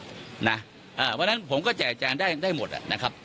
เพราะฉะนั้นผมก็แจกแจงได้หมดนะครับ